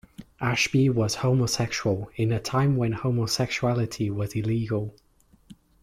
Ashbee was homosexual in a time when homosexuality was illegal.